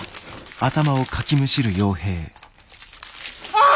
ああ！